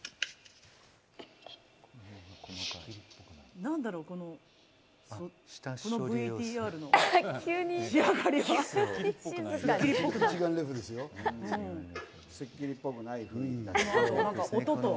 なんだろうこのＶＴＲの仕上がりは。